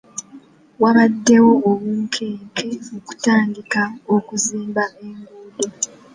Wabadewo obunkenke mu kutandika okuzimba enguudo.